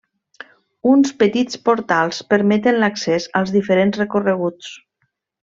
Uns petits portals permeten l'accés als diferents recorreguts.